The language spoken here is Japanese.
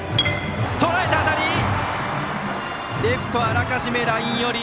レフト、あらかじめライン寄り。